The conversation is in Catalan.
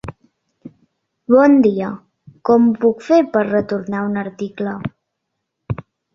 Bon dia, com ho puc fer per retornar un article?